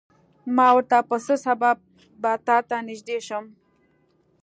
ما ورته په څه سبب به تاته نږدې شم.